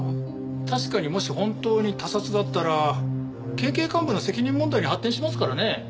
確かにもし本当に他殺だったら県警幹部の責任問題に発展しますからね。